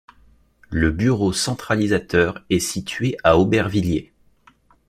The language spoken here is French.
Le bureau centralisateur est situé à Aubervilliers.